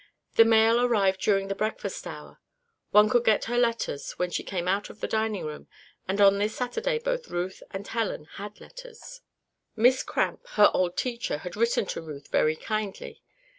The mail arrived during the breakfast hour. One could get her letters when she came out of the dining room, and on this Saturday both Ruth and Helen had letters. Miss Cramp, her old teacher, had written to Ruth very kindly.